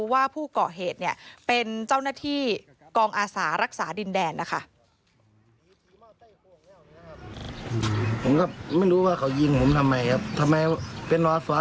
ว่าผู้เกาะเหตุเนี่ยเป็นเจ้าหน้าที่กองอาสารักษาดินแดนนะคะ